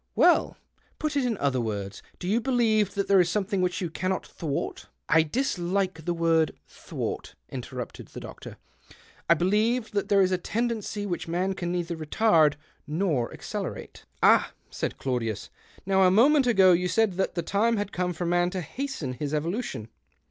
" Well, put it in other words : Do you believe that there is something which you cannot thwart "" I dislike the word ' thwart,' " interrupted the doctor. " I believe that there is a tendency which man can neither retard nor accelerate. THE OCTAVE OF CLAUDIUS. 143 " All !" said Claudius. " Now, a moment ago, you said that the time had come for man to hasten his evolution."